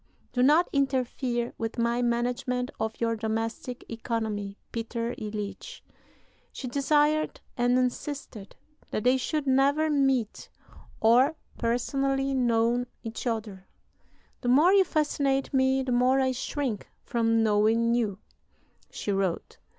Do not interfere with my management of your domestic economy, Peter Iljitsch." She desired and insisted that they should never meet or personally know each other; "the more you fascinate me, the more I shrink from knowing you," she wrote.